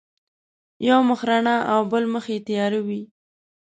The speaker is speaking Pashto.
یو مخ رڼا او بل مخ یې تیار وي.